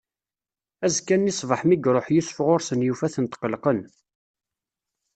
Azekka-nni ṣṣbeḥ, mi iṛuḥ Yusef ɣur-sen, yufa-ten tqelqen.